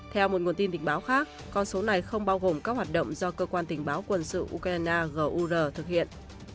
theo một nguồn tin địch báo khác con số này không bao gồm các hoạt động do cơ quan tình báo quân sự ukraine gur thực hiện